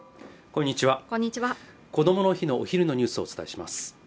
こんにちはこどもの日のお昼のニュースをお伝えします